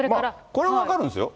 これは分かるんですよ。